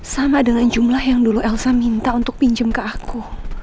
sama dengan jumlah yang dulu elsa minta untuk pinjem ke aku